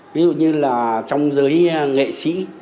ví dụ như là trong giới nghệ sĩ